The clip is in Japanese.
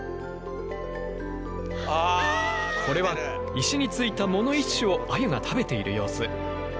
これは石についた藻の一種をアユが食べている様子。